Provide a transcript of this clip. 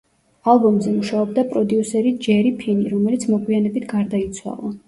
ალბომზე მუშაობდა პროდიუსერი ჯერი ფინი, რომელიც მოგვიანებით გარდაიცვალა.